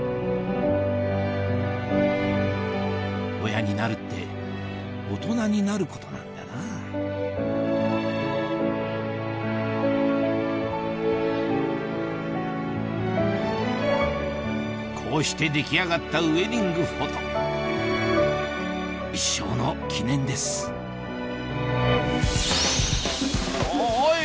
親になるって大人になることなんだなぁこうして出来上がったウエディングフォト一生の記念ですおぉおい！